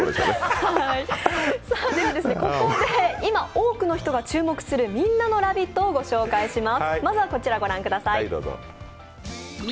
ここで今多くの人が注目するみんなの「ラヴィット！」をご紹介します。